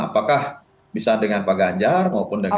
apakah bisa dengan pak ganjar maupun dengan